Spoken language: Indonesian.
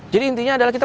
jadi intinya adalah kita